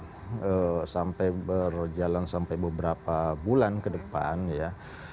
kait apa bila kemungkinan misalnya sampai berjalan sampai beberapa bulan ke depan ya